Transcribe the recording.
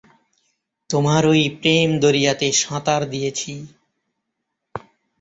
তোমারই প্রেম-দরিয়াতে সাঁতার দিয়েছি।